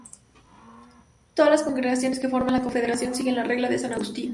Todas las congregaciones que forman la confederación siguen la "Regla de san Agustín".